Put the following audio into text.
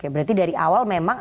berarti dari awal memang